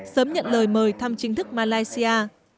sớm nhận lời mời thăm chính thức malaysia